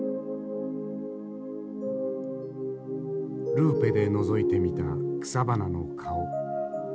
ルーペでのぞいてみた草花の顔。